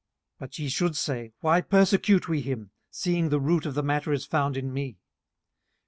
18:019:028 But ye should say, Why persecute we him, seeing the root of the matter is found in me?